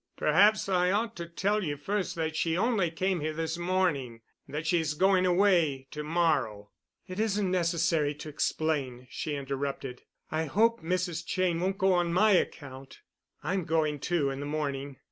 Perhaps I ought to tell you first that she only came here this morning—that she's going away to morrow——" "It isn't necessary to explain," she interrupted. "I hope Mrs. Cheyne won't go on my account. I'm going, too, in the morning.